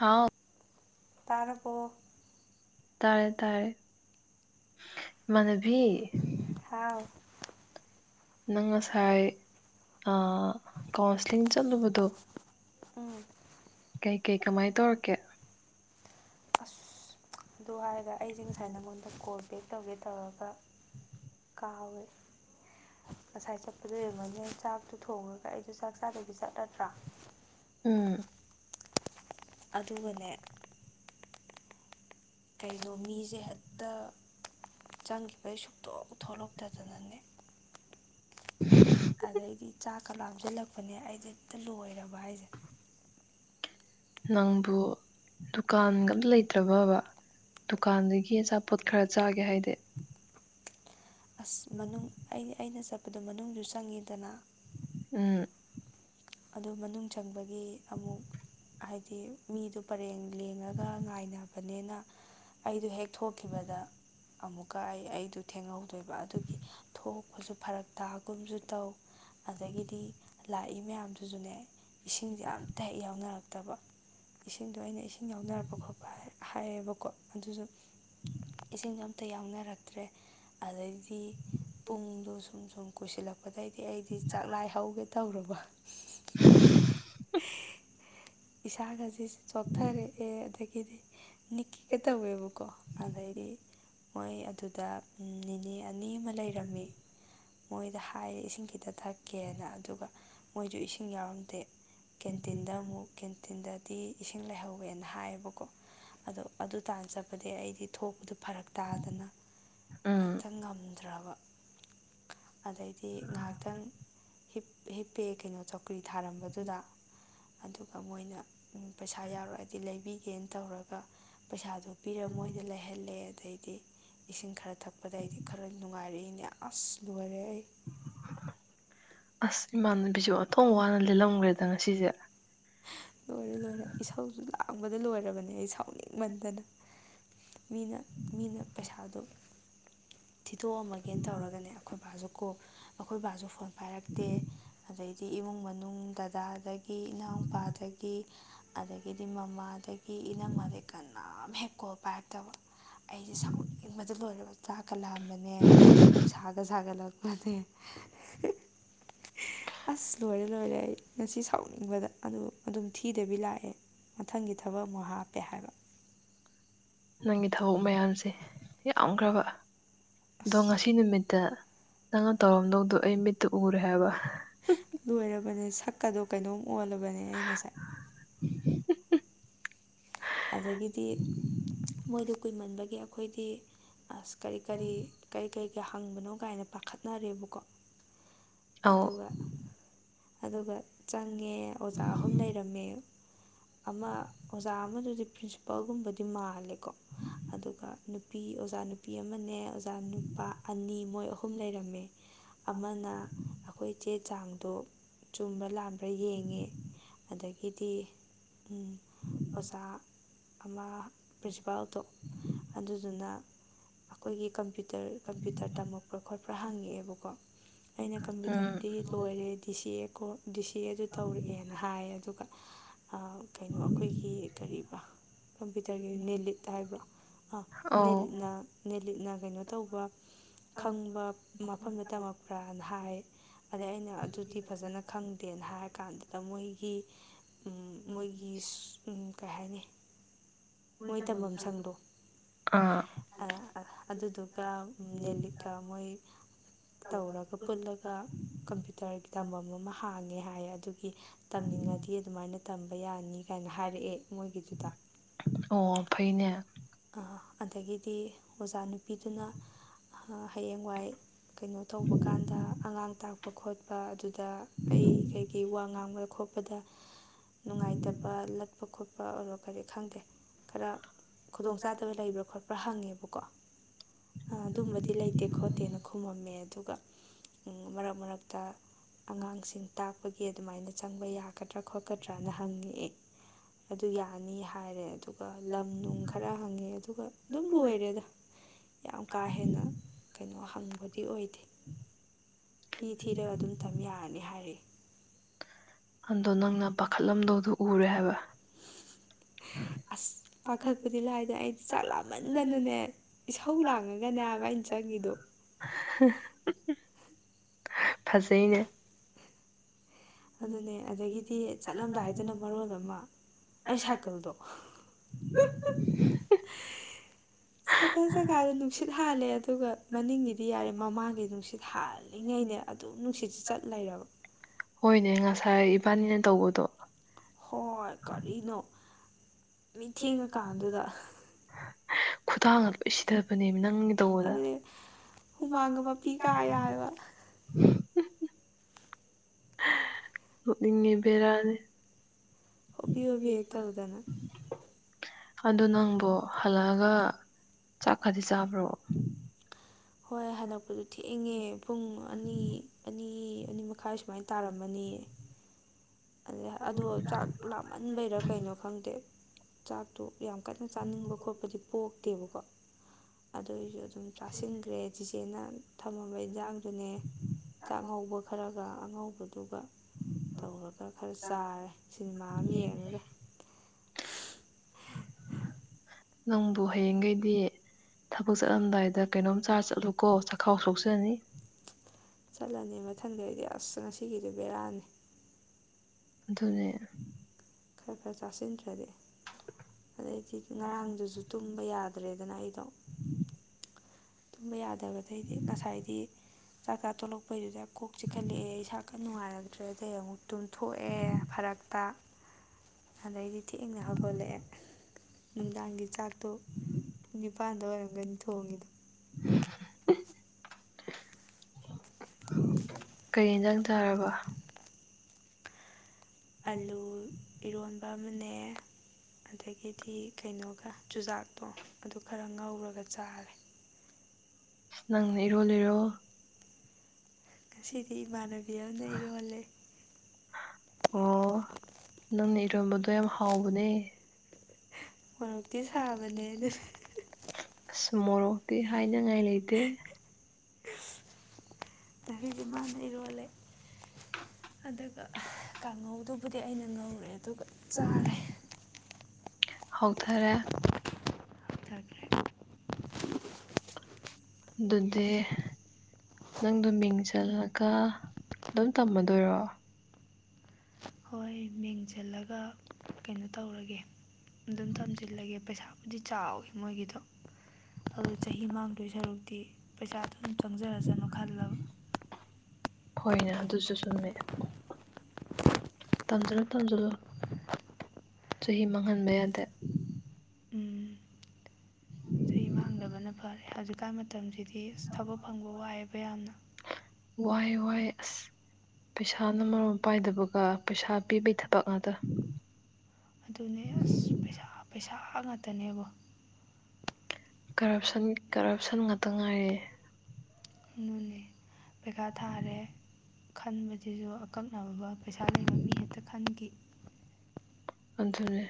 ꯍꯥꯎ ꯇꯥꯔꯕꯣ ꯇꯥꯔꯦ ꯇꯥꯔꯦ ꯃꯅꯕꯤ ꯍꯥꯎ ꯅꯪ ꯉꯁꯥꯏ ꯀꯥꯎꯟꯁꯂꯤꯡ ꯆꯠꯂꯨꯕꯗꯣ ꯎꯝ ꯀꯩ ꯀꯩ ꯀꯃꯥꯏꯅ ꯇꯧꯔꯛꯀꯦ ꯑꯁ ꯑꯗꯨ ꯍꯥꯏꯔꯒ ꯑꯩꯁꯦ ꯉꯁꯥꯏ ꯅꯉꯣꯟꯗ ꯀꯣꯜ ꯕꯦꯛ ꯇꯧꯒꯦ ꯇꯧꯔꯒ [unintelligible] ꯍꯥꯎꯋꯦ ꯉꯁꯥꯏ ꯆꯠꯄꯗꯣ ꯌꯦꯡꯉꯅꯤ ꯆꯥꯛꯇꯣ ꯊꯣꯡꯉꯒ ꯑꯩꯗꯣ ꯆꯥꯛ ꯆꯥꯗ ꯐꯕꯤꯖꯠ ꯅꯠꯇ꯭ꯔꯥ ꯎꯝ ꯑꯗꯨꯒꯅꯦ ꯀꯩꯅꯣ ꯃꯤꯁꯦ ꯍꯦꯛꯇ ꯆꯪꯈꯤꯕꯩ ꯁꯨꯛꯇꯣꯛ ꯊꯣꯛꯂꯛꯇꯗꯅꯅꯦ [unintelligible] ꯑꯗꯩꯗꯤ ꯆꯥꯛ ꯈ ꯂꯥꯞꯁꯤꯜꯂꯛꯄꯅꯦ ꯑꯩꯁꯦ ꯑꯝꯇ ꯂꯣꯏꯔꯕ ꯍꯥꯏꯁꯦ ꯅꯪꯕꯨ ꯗꯨꯀꯥꯟꯒ ꯑꯝꯇ ꯂꯩꯇ꯭ꯔꯕꯕ ꯗꯨꯀꯥꯟꯗꯒꯤ ꯑꯆꯥꯄꯣꯠ ꯈꯔ ꯆꯥꯒꯦ ꯍꯥꯏꯗꯤ ꯑꯁ ꯃꯅꯨꯡ ꯑꯩ ꯑꯩꯅ ꯆꯠꯄꯗꯣ ꯃꯅꯨꯡꯁꯨ ꯆꯪꯉꯤꯗꯅ ꯎꯝ ꯑꯗ ꯃꯅꯨꯡ ꯆꯪꯕꯒꯤ ꯒꯤ ꯑꯃꯨꯛ ꯍꯥꯏꯗꯤ ꯃꯤꯗꯨ ꯄꯔꯦꯡ ꯂꯦꯡꯉꯒ ꯉꯥꯏꯅꯕꯅꯤꯅ ꯑꯩꯗꯨ ꯍꯦꯛ ꯊꯣꯛꯈꯤꯕꯗ ꯑꯃꯨꯛꯀ ꯑꯩ ꯑꯩꯗꯨ ꯊꯦꯡꯍꯧ ꯇꯣꯏꯕ ꯑꯗꯨꯒꯤ ꯊꯣꯛꯄꯁꯨ ꯐꯔꯛ ꯇꯥꯒꯨꯝꯁꯨ ꯇꯧ ꯑꯗꯒꯤꯗꯤ ꯂꯥꯛꯏ ꯃꯌꯥꯝꯗꯨꯁꯨꯅꯦ ꯏꯁꯤꯡꯁꯦ ꯌꯥꯝ ꯇ ꯍꯦꯛ ꯌꯥꯎꯅꯔꯛꯇꯕ ꯏꯁꯤꯡꯗꯣ ꯑꯩꯅ ꯏꯁꯤꯡ ꯌꯥꯎꯅꯔꯛꯄ ꯈꯣꯠꯄ ꯍꯥꯏꯌꯦꯕꯀꯣ ꯑꯗꯨꯁꯨ ꯏꯁꯤꯡꯁꯨ ꯑꯝꯇ ꯌꯥꯎꯅꯔꯛꯇ꯭ꯔꯦ ꯑꯗꯩꯗꯤ ꯄꯨꯡꯗ ꯁꯨꯝ ꯁꯨꯝ ꯀꯣꯏꯁꯤꯜꯂꯛꯄ ꯂꯥꯛꯄꯗꯩꯗꯤ ꯑꯩꯗꯤ ꯆꯥꯛꯂꯥꯏ ꯍꯧꯒꯦ ꯇꯧꯔꯕ ꯏꯁꯥꯒꯁꯤ ꯆꯣꯛꯊꯔꯛꯑꯦ ꯑꯗꯒꯤꯗꯤ ꯅꯤꯀꯤꯀ ꯇꯧꯋꯦꯕꯀꯣ ꯑꯗꯩꯗꯤ ꯃꯣꯏ ꯑꯗꯨꯗ ꯅꯤꯅꯦ ꯑꯅꯤ ꯑꯃ ꯂꯩꯔꯝꯃꯤ ꯃꯣꯏꯗ ꯍꯥꯏ ꯏꯁꯤꯡ ꯈꯤꯇ ꯆ ꯊꯛꯀꯦꯅ ꯑꯗꯨꯒ ꯃꯣꯏꯁꯨ ꯏꯁꯤꯡ ꯌꯥꯎꯔꯝꯗꯦ ꯀꯦꯟꯇꯤꯟꯗ ꯑꯃꯨꯛ ꯀꯦꯟꯇꯤꯟꯗꯗꯤ ꯏꯁꯤꯡ ꯂꯩꯍꯧꯋꯦꯅ ꯍꯥꯏꯌꯦꯕꯀꯣ ꯑꯗꯣ ꯑꯗꯨ ꯇꯥꯟꯖꯕꯗꯤ ꯑꯩꯗꯤ ꯊꯣꯛꯄꯗ ꯐꯔꯛ ꯇꯥꯗꯅ ꯎꯝ ꯉꯍꯥꯛꯇ ꯉꯝꯗ꯭ꯔꯕ ꯑꯗꯩꯗꯤ ꯉꯥꯏꯍꯥꯛꯇꯪ ꯍꯤꯞꯄꯦ ꯀꯩꯅꯣ ꯆꯧꯀ꯭ꯔꯤ ꯊꯥꯔꯝꯕꯗꯨꯗ ꯑꯗꯨꯒ ꯃꯣꯏꯅ ꯄꯩꯁꯥ ꯌꯥꯎꯔꯛꯑꯗꯤ ꯂꯩꯕꯤꯒꯦꯅ ꯇꯧꯔꯒ ꯄꯩꯁꯥꯗꯣ ꯄꯤꯔꯒ ꯃꯣꯏꯗ ꯂꯩꯍ ꯍꯜꯂꯦ ꯑꯗꯩꯗꯤ ꯏꯁꯤꯡ ꯈꯔ ꯊꯛꯄꯗ ꯑꯩꯗꯤ ꯈꯔ ꯅꯨꯡꯉꯥꯏꯔꯛꯏꯅꯦ ꯑꯁ ꯂꯣꯏꯉꯥꯏꯔꯛꯑꯦ ꯑꯩ ꯑꯁ ꯃꯥꯟꯅ ꯕꯤꯁꯨ ꯑꯊꯣꯡ ꯋꯥꯅ ꯂꯤꯦꯜꯂꯝꯈ꯭ꯔꯦꯗ ꯉꯁꯤꯁꯦ ꯄꯥꯡꯕꯗ ꯂꯣꯏꯔꯕꯅꯦ ꯑꯩ ꯁꯥꯎꯅꯤꯡꯃꯟꯗꯅ ꯃꯤꯅ ꯃꯤꯅ ꯄꯩꯁꯥꯗꯨ ꯊꯤꯗꯣꯛꯑꯝꯃꯒꯦꯅ ꯇꯧꯔꯒꯅꯦ ꯑꯩꯈꯣꯏ ꯕꯥꯁꯨ ꯀꯣ ꯑꯩꯈꯣꯏ ꯕꯥꯁꯨ ꯐꯣꯟ ꯄꯥꯏꯔꯛꯇꯦ ꯑꯗꯩꯗꯤ ꯏꯃꯨꯡ ꯃꯅꯨꯡ ꯗꯗꯥꯗꯒꯤ ꯏꯅꯥꯎꯄꯥꯗꯒꯤ ꯑꯗꯒꯤꯗꯤ ꯃꯃꯥꯗꯒꯤ ꯏꯅꯝꯃꯗꯒꯤ ꯀꯅꯥꯝ ꯍꯦꯛꯀꯣꯄꯥꯏꯛꯇꯕ ꯑꯩꯁꯦ ꯁꯥꯎꯠ ꯏꯟꯕꯗ ꯂꯣꯏꯔꯕ ꯆꯥꯛꯀ ꯂꯛꯑꯝꯕꯅꯦ ꯅꯨꯡꯁꯥꯒ ꯁꯥꯒꯠꯂꯛꯄꯅꯦ [inaudible] ꯑꯁ ꯂꯣꯏꯔꯦ ꯂꯣꯏꯔꯦ ꯑꯩ ꯉꯁꯤ ꯁꯥꯎꯅꯤꯡꯕꯗ ꯑꯗꯨ ꯑꯗꯨꯝ ꯊꯤꯗꯕꯤ ꯂꯥꯛꯑꯦ ꯃꯊꯪꯒꯤ ꯊꯕꯛ ꯑꯃꯨꯛ ꯍꯥꯞꯄꯦ ꯍꯥꯏꯕ ꯅꯪꯒꯤ ꯊꯕꯛ ꯃꯌꯥꯝꯁꯦ ꯌꯥꯝꯈ꯭ꯔꯕ ꯑꯗꯣ ꯑꯁ ꯉꯁꯤ ꯅꯨꯃꯤꯠꯇ ꯅꯪꯅ ꯇꯧꯔꯝꯗꯧꯗꯣ ꯑꯩ ꯃꯤꯠꯇ ꯎꯔꯦ ꯍꯥꯏꯕ ꯀꯗꯣ ꯀꯩꯅꯣꯝ ꯑꯣꯜꯂꯒꯅꯦ ꯑꯩ ꯉꯁꯥꯏ ꯑꯗꯒꯤꯗꯤ ꯃꯣꯏꯗ ꯀꯨꯏꯃꯟꯕꯒꯤ ꯑꯩꯈꯣꯏꯗꯤ ꯑꯁ ꯀꯔꯤ ꯀꯔꯤ ꯀꯔꯤ ꯀꯔꯤ ꯀ ꯍꯪꯕꯅꯣ ꯀꯥꯏꯅ ꯄꯥꯈꯠꯅꯔꯦꯕꯀꯣ ꯑ ꯑꯗꯨꯒ ꯑꯗꯨꯒ ꯆꯪꯉꯦ ꯑꯣꯖꯥ ꯑꯍꯨꯝ ꯂꯩꯔꯝꯃꯦ ꯑꯃ ꯑꯣꯖꯥ ꯑꯃꯗꯨ ꯄ꯭ꯔꯤꯟꯁꯤꯄꯥꯜꯒꯨꯝꯕꯗꯤ ꯃꯥꯍꯜꯂꯦꯀꯣ ꯑꯗꯨꯒ ꯅꯨꯄꯤ ꯑꯣꯖꯥ ꯅꯨꯄꯤ ꯑꯃꯅꯦ ꯑꯣꯖꯥ ꯅꯨꯄꯥ ꯑꯅꯤ ꯃꯣꯏ ꯑꯍꯨꯝ ꯂꯩꯔꯝꯃꯦ ꯑꯃꯅ ꯑꯩꯈꯣꯏ ꯆꯦ ꯆꯥꯡꯗꯣ ꯆꯨꯝꯕ꯭ꯔ ꯂꯥꯝꯕ꯭ꯔꯥ ꯌꯦꯡꯉꯦ ꯑꯗꯒꯤ ꯍꯥꯏꯗꯤ ꯑꯣꯖꯥ ꯑꯃ ꯄ꯭ꯔꯤꯟꯁꯤꯄꯥꯜꯗꯣ ꯑꯗꯨꯗꯨꯅ ꯑꯩꯈꯣꯏꯒꯤ ꯀꯝꯄ꯭ꯌꯨꯇꯔ ꯀꯝꯄ꯭ꯌꯨꯇꯔ ꯇꯝꯃꯛꯄ꯭ꯔꯥ ꯈꯣꯠꯄ꯭ꯔꯥ ꯍꯪꯉꯛꯦꯕ ꯕꯀꯣ ꯑꯩꯅ ꯎꯝ ꯀꯝꯄ꯭ꯌꯨꯇꯔꯗꯤ ꯂꯣꯏꯔꯦ ꯗꯤ ꯁꯤ ꯑꯦ ꯀꯣ ꯗꯤ ꯁꯤ ꯑꯗꯨ ꯇꯧꯔꯛꯑꯦꯅ ꯍꯥꯏ ꯑꯗꯨꯒ ꯀꯩꯅꯣ ꯑꯩꯈꯣꯏꯒꯤ ꯀꯔꯤ ꯀꯝꯄ꯭ꯌꯨꯇꯔꯒꯤ ꯅꯦꯂꯤꯠ ꯍꯥꯏꯕ꯭ꯔꯣ ꯑꯥ ꯑꯧ ꯅꯦꯂꯤꯠꯅ ꯅꯦꯂꯤꯠꯅ ꯀꯩꯅꯣ ꯇꯧꯕ ꯈꯪꯕ ꯃꯐꯝꯗ ꯇꯝꯃꯛꯄ꯭ꯔꯥꯅ ꯍꯥꯏ ꯑꯗꯩ ꯑꯩꯅ ꯑꯗꯨꯗꯤ ꯐꯖꯅ ꯈꯪꯗꯦꯅ ꯍꯥꯏꯔ ꯀꯥꯟꯗꯨꯗ ꯃꯣꯏꯒꯤ ꯃꯣꯏꯒꯤ ꯀꯩ ꯍꯥꯏꯅꯤ ꯃꯣꯏ ꯇꯝꯐꯝ ꯁꯪꯗꯣ ꯑꯥ ꯑꯗꯨꯗꯨꯒ ꯅꯦꯂꯤꯀꯥ ꯃꯣꯏ ꯇꯧꯔꯒ ꯄꯨꯜꯂꯒ꯫ ꯀꯝꯄ꯭ꯌꯨꯇꯔꯒꯤ ꯇꯝꯐꯝꯝ ꯑꯃ ꯍꯥꯡꯉꯦ ꯍꯥꯏ ꯑꯗꯨꯒꯤ ꯇꯝꯅꯤꯡꯉꯗꯤ ꯑꯗꯨꯃꯥꯏꯅ ꯇꯝꯕ ꯌꯥꯅꯤ꯫ ꯀꯥꯏꯅ ꯍꯥꯏꯔꯛꯑꯦ ꯃꯣꯏꯒꯤꯗꯨ꯫ ꯑꯣ ꯐꯩꯅꯦ꯫ ꯑꯗꯒꯤꯗꯤ ꯑꯣꯖꯥ ꯅꯨꯄꯤꯗꯨꯅ꯫ ꯍꯌꯦꯡꯋꯥꯏ ꯀꯩꯅꯣ ꯇꯧꯕ ꯀꯥꯟꯗ ꯑꯉꯥꯡ ꯇꯥꯛꯄ ꯈꯣꯠꯄ꯫ ꯄ ꯑꯗꯨꯗ ꯑꯩ ꯀꯩꯀꯩ ꯋꯥ ꯉꯥꯡꯕꯗ ꯈꯣꯠꯄꯗ꯫ ꯅꯨꯡꯉꯥꯏꯇꯕ ꯂꯠꯄ ꯈꯣꯠꯄ ꯑꯣꯏꯔꯣ ꯀꯔꯤ ꯈꯪꯗꯦ꯫ ꯈꯔ ꯈꯨꯗꯣꯡꯆꯥꯥꯗꯕ ꯂꯩꯕ꯭ꯔꯥ ꯈꯣꯠꯄ꯭ꯔꯥ ꯍꯪꯉꯦꯕꯀꯣ꯫ ꯑꯗꯨꯝꯕꯗꯤ ꯂꯩꯇꯦ ꯈꯣꯠ꯫ ꯇꯦꯟꯅ ꯈꯨꯝꯃꯝꯃꯦ ꯑꯗꯨꯒ ꯃꯔꯛ ꯃꯔꯛꯇ꯫ ꯑꯉꯥꯡꯁꯤꯡ ꯇꯥꯛꯄꯒꯤ ꯑꯗꯨꯃꯥꯏꯅ ꯆꯪꯕ ꯌꯥꯒꯗ꯭ꯔꯥ ꯈꯣꯠꯀꯗ꯭ꯔꯥꯅ ꯍꯪꯉꯛꯑꯦ꯫ ꯑꯗꯨ ꯌꯥ꯫ ꯑꯅꯤ ꯍꯥꯏꯔꯦ ꯑꯗꯨꯒ ꯂꯝ ꯅꯨꯡ ꯈꯔ ꯍꯪꯉꯦ ꯑꯗꯨꯒ ꯑꯗꯨꯝ ꯂꯣꯏꯔꯦꯗ꯫ ꯌꯥꯝ ꯀꯥ ꯍꯦꯟꯅ ꯀꯩꯅꯣ ꯍꯪꯕꯗꯤ ꯑꯣꯏꯗꯦ꯫ ꯐꯤ ꯊꯤꯔꯒ ꯑꯗꯨꯝ ꯇꯝ ꯌꯥꯔꯅꯤ ꯍꯥꯏꯔꯛꯑ꯫ ꯑꯗꯣ ꯅꯪꯅ ꯄꯥꯈꯠꯂꯝꯗꯧꯗꯣ ꯎꯔꯦ ꯍꯥꯏꯕ꯫ ꯑꯁ꯫ ꯄꯥꯈꯠꯄꯗꯤ ꯂꯥꯏꯗꯅ ꯑꯩꯗꯤ ꯆꯥꯛ ꯂꯥꯃꯟꯗꯅꯅꯦ ꯏꯁꯧ ꯂꯥꯡꯉꯒꯅꯦ ꯍꯥꯏꯕ ꯑꯩꯅ ꯆꯪꯉꯗꯣ꯫ ꯐꯖꯩꯅꯦ꯫ ꯑꯗꯨꯅꯦ ꯑꯗꯒꯤꯗꯤ ꯀꯅꯅꯕ꯭ꯔ ꯍꯥꯏꯗꯅ ꯆꯠꯂꯝꯗꯥꯏꯗꯅ ꯃꯔꯣꯜ ꯃꯔꯣꯕꯃ꯫ ꯑꯃ ꯑꯩ ꯁꯥꯏꯀꯜꯗꯣ [unintelligible] ꯁꯥꯏꯀꯜ ꯖꯒꯥꯗꯣ ꯅꯨꯡꯁꯤꯠ ꯍꯥꯜꯂꯦ ꯑꯗꯨꯒ ꯃꯅꯤꯡꯒꯤꯗꯤ ꯌꯥꯔꯦ ꯃꯃꯥꯡꯒꯤ ꯅꯨꯡꯁꯤꯠ ꯍꯥꯜꯂꯤꯉꯩꯅꯦ ꯑ꯫ ꯅꯨꯡꯁꯤꯠꯁꯤ ꯆꯠ ꯂꯩꯔꯕ꯫ ꯍꯣꯏꯅꯦ ꯉꯁꯥꯏ ꯏꯕꯥꯅꯤꯅ ꯇꯧꯕꯗꯣ꯫ ꯍꯣꯏ ꯀꯔꯤꯅꯣ ꯅꯨꯃꯤꯠ ꯊꯦꯡꯉꯥ ꯀꯥꯟꯗꯨꯗ꯫ ꯊꯦꯡꯉꯀꯥꯟꯗꯨꯗ ꯈꯨꯊꯥꯡꯒ ꯂꯣꯏ ꯁꯤꯊꯕꯅꯦꯕ ꯅꯪꯒꯤ ꯇꯧꯕꯗ꯫ ꯑꯗꯨꯅꯦ ꯍꯨꯃꯥꯡ ꯍꯨꯃꯥꯡꯒ ꯃꯥꯄꯤ ꯃꯄꯤ ꯀꯥ ꯌꯥꯔ꯫ ꯌꯥꯏꯕ ꯅꯣꯛꯅꯤꯡꯉꯦꯕꯦꯔꯥꯅꯤ꯫ ꯍꯣꯕꯤ ꯍꯣꯕꯤ ꯑꯩ ꯇ ꯍꯧꯗꯅ꯫ ꯑꯗꯨ ꯅꯪꯕꯨ ꯍꯜꯂꯛꯑꯒ ꯆꯥꯛ ꯀꯗꯤ ꯆꯥꯕ꯭ꯔꯣ꯫ ꯍꯣꯏ ꯍꯜꯂꯛꯄꯗꯨ ꯊꯦꯡꯉꯦ ꯄꯨꯡ ꯑꯅꯤ ꯑꯅꯤ ꯑꯅꯤ ꯃꯈꯥꯏ ꯁꯨꯃꯥꯏꯅ ꯇꯧ꯫ ꯇꯥꯔꯝꯃꯅꯤ꯫ ꯑꯗ ꯑꯗꯣ ꯆꯥꯛ ꯂꯥꯝꯍꯟꯕꯩꯔꯥ ꯀꯩꯅꯣ ꯈꯪꯗꯦ ꯆꯥꯛꯇꯣ꯫ ꯌꯥꯝ ꯀꯟꯅ ꯆꯥꯅꯤꯡꯕ ꯈꯣꯠꯄꯗꯤ ꯄꯣꯛꯇꯦꯕꯀꯣ ꯑꯗꯨꯏꯁꯨ꯫ ꯆꯥꯁꯤꯟꯈ꯭ꯔꯦ ꯆꯤ꯫ ꯊꯝꯃꯕ ꯏꯟꯖꯥꯡꯗꯨꯅꯦ ꯆꯥꯛꯍꯧꯕ ꯈꯔꯒ ꯑꯉꯧꯕꯗꯨꯒ ꯇꯧꯔꯒ꯫ ꯈꯔ ꯆꯥꯔꯦ ꯁꯤꯅꯦꯃꯥ ꯑꯃ ꯌꯦꯡꯉꯒ꯫ ꯅꯪꯕꯨ ꯍꯌꯦꯡꯈꯩꯗꯤ ꯊꯕꯛ ꯆꯠꯂꯝꯗꯥꯏꯗ ꯀꯩꯅꯣꯝ ꯆꯥꯔꯆꯠ꯫ ꯆꯠꯂꯨꯀꯣ ꯆꯈꯥꯎ ꯁꯣꯛꯁꯅꯤ꯫ ꯆꯠꯂꯅꯤ ꯃꯊꯪꯈꯩꯗꯤ ꯑꯁ ꯉꯁꯤꯒꯤꯗꯨ ꯕꯦꯔꯥꯅꯤ꯫ ꯑꯗꯨꯅꯦ꯫ ꯈꯔ ꯈꯔ ꯆꯥꯁꯤꯟꯗ꯭ꯔꯗꯤ꯫ ꯑꯗꯩꯗꯤ ꯉꯔꯥꯡꯗꯨꯁꯨ ꯇꯨꯝꯕ ꯌꯥꯗ꯭ꯔꯦꯗꯅ ꯑꯩꯗꯣ꯫ [inaudible] ꯇꯨꯝꯕ ꯌꯥꯗꯦ꯫ ꯗꯩꯗꯤ ꯉꯁꯥꯏꯗꯤ ꯆꯥꯛ ꯆꯥ ꯇꯣꯂꯛꯄꯩꯗꯨꯗ ꯀꯣꯛ ꯆꯤꯛꯈꯠꯂꯛꯑꯦ ꯏꯁꯥꯀ ꯅꯨꯡꯉꯥꯏꯔꯅꯤ꯫ ꯇ꯭ꯔꯦꯗꯩ ꯑꯃꯨꯛ ꯇꯨꯝꯊꯣꯛꯑꯦ ꯐꯔꯛꯇ ꯑꯗꯩꯗꯤ꯫ ꯊꯦꯡꯅ ꯍꯧꯒꯠꯂꯛꯑꯦ꯫ ꯅꯨꯡꯗꯥꯡꯒꯤ ꯆꯥꯛꯇꯣ ꯄꯨꯡ ꯅꯤꯄꯥꯜꯗ ꯑꯣꯏꯔꯝꯒꯅꯤ ꯊꯣꯡꯉꯤꯗꯣ꯫ ꯀꯩ ꯌꯦꯟꯖꯥꯡ ꯆꯥꯔꯕ꯫ ꯑꯂꯨ ꯏꯔꯣꯟꯕ ꯑꯃꯅꯦ꯫ ꯑꯗꯩꯒꯤꯗꯤ ꯀꯩꯅꯣꯒ ꯆꯨꯖꯥꯛꯇꯣ ꯑꯗꯨ ꯈꯔ ꯉꯧꯔꯒ ꯆꯥꯔꯦ꯫ ꯑꯁ ꯅꯪꯅ ꯏꯔꯣꯜ ꯂꯤꯔꯣ꯫ ꯉꯁꯤꯗꯤ ꯏꯃꯥꯟꯅꯕꯤ ꯑꯃꯅ ꯏꯔꯣꯜꯂꯦ꯫ ꯑꯣ ꯅꯪꯅ ꯏꯔꯣꯜꯕꯗꯣ ꯌꯥꯝꯅ ꯍꯥꯎꯕꯅꯦ꯫ ꯃꯣꯔꯣꯛꯇꯤ ꯁꯥꯕꯅꯦ ꯑꯗꯨ [unintelligible] ꯎ ꯃꯣꯔꯣꯛꯇꯤ ꯍꯥꯏꯅꯉꯥꯏ ꯂꯩꯇꯦ꯫ ꯉꯁꯤꯗꯤ ꯃꯥꯅ ꯏꯔꯣꯜꯂꯦ꯫ ꯑꯗꯨꯒ ꯀꯥꯡꯉꯧꯗꯨꯕꯨꯗꯤ ꯑꯩꯅ ꯉꯧꯔꯦ ꯑꯗꯨꯒ ꯆꯥꯔꯦ꯫ ꯍꯧꯎꯊꯔꯦ꯫ ꯇꯗꯦ꯫ ꯗꯨꯗꯦ꯫ ꯅꯪꯗꯣ ꯃꯤꯡ ꯆꯜꯂꯒ ꯑꯗꯨꯝ ꯇꯝꯃꯗꯣꯏꯔꯣ꯫ ꯍꯣꯏ ꯃꯤꯡ ꯆꯜꯂꯒ ꯀꯩꯅꯣ ꯇꯧꯔꯒꯦ ꯑꯗꯨꯝ ꯇꯝꯁꯤꯜꯂꯒꯦ ꯄꯩꯁꯥꯕꯨꯗꯤ ꯆꯥꯎꯏ ꯃꯣꯏꯒꯤꯗꯣ꯫ ꯑꯧ ꯆꯍꯤ ꯃꯥꯡꯗꯣꯏ ꯁꯔꯨꯛꯇꯤ ꯄꯩꯁꯥ ꯑꯗꯨꯝ ꯆꯪꯖꯔꯁꯅꯨ ꯈꯜꯂꯕ [unintelligible] ꯍꯣꯏꯅꯦ ꯑꯗꯨꯁꯨ ꯆꯨꯝꯃꯦ꯫ ꯇꯥꯟꯖꯜꯂꯣ ꯇꯥꯟꯖꯜꯂꯣ꯫ ꯆꯍꯤ ꯃꯥꯡꯍꯟꯕ ꯌꯥꯗꯦ꯫ ꯎꯝ ꯆꯍꯤ ꯃꯥꯡꯗꯕꯅ ꯐꯔꯦ ꯍꯧꯖꯤꯛꯀꯥꯟ ꯃꯇꯝꯁꯤꯗꯤ ꯑꯁ ꯊꯕꯛ ꯐꯪꯕ ꯋꯥꯏꯍꯦꯕ ꯌꯥꯝꯅ꯫ ꯋꯥꯏ ꯋꯥꯏ ꯑꯁ ꯄꯩꯁꯥꯅ ꯃꯔꯣꯜ ꯑꯃ ꯄꯥꯏꯗꯕꯒ ꯄꯩꯁꯥ ꯄꯤꯕꯩ ꯊꯕꯛ ꯉꯥꯛꯇ꯫ ꯑꯗꯨꯅꯦ ꯑꯁ ꯄꯩꯁꯥ ꯄꯩꯁꯥ ꯉꯥꯛꯇꯅꯦꯕꯣ꯫ ꯀꯔꯞꯁꯟ ꯀꯔꯞꯁꯟ ꯉꯥꯛꯇ ꯉꯥꯏꯔꯦ꯫ ꯑꯗꯨꯅꯤ ꯄꯩꯈꯥ ꯊꯥꯔꯦ ꯈꯟꯕꯁꯤꯁꯨ ꯑꯀꯛꯅꯕ ꯄꯩꯁꯥ ꯂꯩꯕ ꯃꯤ ꯍꯦꯛꯇ ꯈꯟꯒꯤ꯫ ꯑꯗꯨꯅꯦ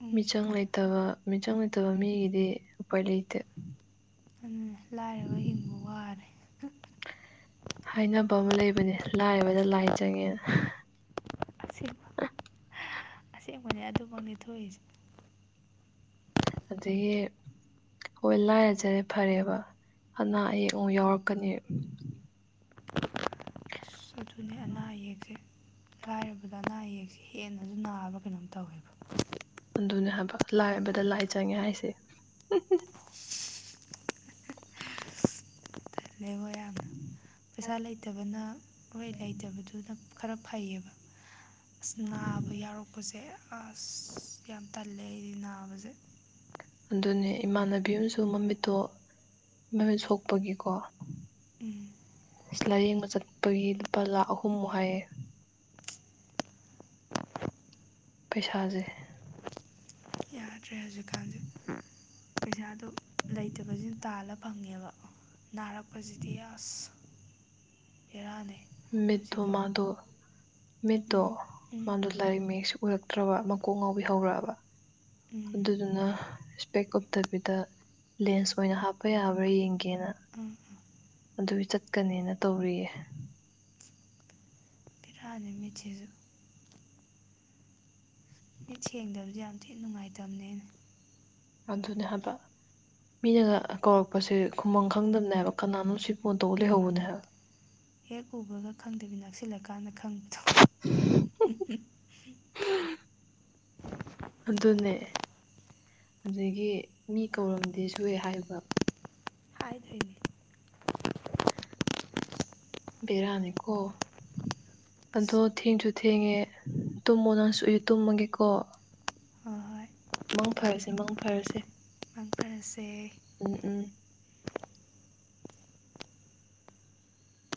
ꯎꯝ ꯃꯤꯆꯪ ꯂꯩꯇꯕ ꯃꯤꯆꯪ ꯂꯩꯇꯕ ꯃꯤꯒꯤꯗꯤ ꯎꯄꯥꯏ ꯂꯩꯇꯦ꯫ ꯑꯗꯨꯅꯦ ꯂꯥꯏꯔꯕ ꯍꯤꯡꯕ ꯋꯥꯔꯦ꯫ ꯍꯥꯏꯅꯕ ꯑꯃ ꯂꯩꯕꯅꯦ ꯂꯥꯏꯔꯕꯗ ꯂꯥꯏ ꯆꯪꯉꯦꯅ ꯑꯁꯦꯡꯕ [unintelligible] ꯑꯁꯦꯡꯕꯅꯦ ꯑꯗꯨꯃꯛꯅꯩ ꯊꯣꯛꯏꯁꯦ꯫ ꯑꯗꯩꯒꯤ ꯍꯣꯏ ꯂꯥꯏꯔꯖꯔꯦ ꯐꯔꯦꯕ ꯑꯅꯥ ꯑꯌꯦꯛ ꯑꯃꯨꯛ ꯌꯥꯎꯔꯛꯀꯅꯤ꯫ ꯑꯗꯨꯅꯤ ꯑꯅꯥ ꯑꯌꯦꯛꯁꯦ ꯂꯥꯏꯔꯕꯗ ꯑꯅꯥ ꯑꯌꯦꯛꯁꯦ ꯍꯦꯟꯅꯁꯨ ꯅꯥꯔꯕ ꯀꯩꯅꯣꯝ ꯇꯧꯔꯦꯕ꯫ ꯑꯗꯨꯅꯦ ꯍꯥꯏꯕ ꯂꯥꯏꯔꯕꯗ ꯂꯥꯏ ꯆꯪꯉꯦ ꯍꯥꯏꯁꯦ꯫ [unintelligible] ꯌꯦꯡꯉꯣ ꯌꯥꯝꯅ ꯄꯩꯁꯥ ꯂꯩꯇꯕꯅ ꯍꯣꯏ ꯂꯩꯇꯕꯗꯨꯅ ꯈꯔ ꯐꯩꯌꯦꯕ ꯑꯁ ꯅꯥꯕ ꯌꯥꯎꯔꯛꯄꯁꯦ꯫ ꯑꯁ ꯌꯥꯝ ꯇꯜꯂꯦ ꯑꯩꯗꯤ ꯅꯥꯕꯁꯦ꯫ ꯑꯗꯨꯅꯦ ꯏꯃꯥꯟꯅꯕꯤ ꯑꯃꯁꯨ ꯃꯃꯤꯠꯇꯣ ꯃꯃꯤꯠ ꯁꯣꯛꯄꯒꯤꯀꯣ ꯂꯥꯏꯌꯦꯡꯕ ꯆꯠꯄꯒꯤ ꯂꯨꯄꯥ ꯂꯥꯛ ꯑꯍꯨꯝꯃꯨꯛ ꯍꯥꯏꯌꯦ꯫ ꯄꯩꯁꯥꯖꯦ꯫ ꯌꯥꯗ꯭ꯔꯦ ꯍꯧꯖꯤꯛꯀꯥꯟꯁꯦ ꯄꯩꯁꯥꯗꯨ ꯂꯩꯇꯕꯁꯤ ꯇꯥꯜꯂ ꯐꯪꯉꯦꯕ꯫ ꯅꯥꯔꯛꯄꯁꯤꯗꯤ ꯑꯁ ꯚꯦꯔꯥꯅꯩ꯫ ꯃꯤꯠꯇꯣ ꯃꯥꯗꯣ ꯃꯤꯠꯇꯣ ꯎꯝ ꯃꯥꯗꯣ ꯂꯥꯏꯔꯤꯛ ꯃꯌꯦꯛꯁꯨ ꯎꯔꯛꯇ꯭ꯔꯕ ꯃꯀꯣꯛ ꯉꯥꯎꯕꯤ ꯍꯧꯔꯛꯑꯕ ꯎꯝ ꯑꯗꯨꯗꯨꯅ ꯏꯁꯄꯦꯛ ꯎꯞꯇꯕꯤꯗ ꯂꯦꯟꯁ ꯑꯣꯏꯅ ꯍꯥꯞꯄ ꯌꯥꯕ꯭ꯔꯥ ꯌꯦꯡꯒꯦꯅ꯫ ꯑꯪ ꯑꯗꯨꯏ ꯆꯠꯀꯅꯤꯅ ꯇꯧꯔꯤꯌꯦ꯫ ꯕꯦꯔꯅꯤ ꯃꯤꯠꯁꯤꯁꯨ꯫ ꯃꯤꯠ ꯁꯦꯡꯗꯕꯁꯦ ꯌꯥꯝ ꯊꯤꯅ ꯅꯨꯡꯉꯥꯏꯇꯕꯅꯦꯅ ꯑꯗꯨꯅꯦ ꯍꯥꯏꯕ ꯃꯤꯅꯒ ꯀꯧꯔꯛꯄꯁꯦ ꯈꯨꯝꯕꯝ ꯈꯪꯗꯕꯅꯦ ꯍꯥꯏꯕ ꯀꯅꯥꯅꯣ ꯁꯤꯕꯨꯅ ꯇꯧ ꯂꯩꯍꯧꯕꯅꯦ ꯍꯥꯏꯕ ꯍꯦꯛ ꯎꯕꯒ ꯈꯪꯗꯦꯕꯤ ꯅꯛꯁꯤꯜꯂꯀꯥꯟꯗ ꯈꯪꯕꯤꯗꯣ ꯑꯗꯨꯅꯦ ꯑꯗꯒꯤ ꯃꯤ ꯀꯧꯔꯝꯗꯦꯁꯨ ꯍꯦꯛ ꯍꯥꯏꯕ ꯍꯥꯏꯗꯣꯏꯅꯦ ꯕꯦꯔꯥꯅꯤꯀꯣ ꯑꯗꯣ ꯊꯦꯡꯁꯨ ꯊꯦꯡꯉꯦ ꯇꯨꯝꯃꯣ ꯅꯪꯁꯨ ꯑꯩꯁꯨ ꯇꯨꯝꯃꯒꯦꯀꯣ ꯍꯣꯏ ꯍꯣꯏ ꯃꯪ ꯐꯔꯁꯦ ꯃꯪ ꯐꯔꯁꯦ ꯁꯦ ꯎꯝ ꯎꯝ